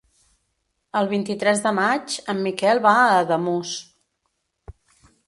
El vint-i-tres de maig en Miquel va a Ademús.